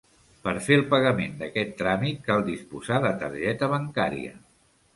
Per fer el pagament d'aquest tràmit cal disposar de targeta bancària.